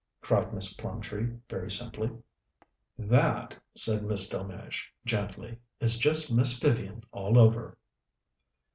cried Miss Plumtree, very simply. "That," said Miss Delmege gently, "is just Miss Vivian all over."